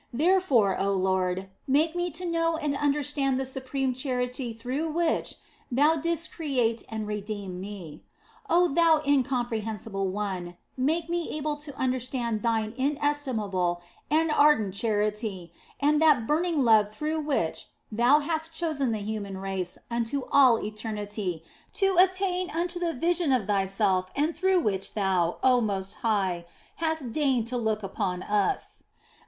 Therefore, oh Lord, make me to know and understand the supreme charity through which Thou didst create and redeem me. Oh Thou Incomprehensible One, make me able to understand Thine inestimable and ardent charity and that burning love through which Thou hast chosen the human race unto all eternity to attain unto the vision of Thyself and through which Thou, oh Most High, hast deigned to look upon us.